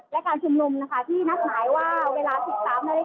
และการชุมนุมนะคะที่นัดหมายว่าเวลา๑๓นาฬิกา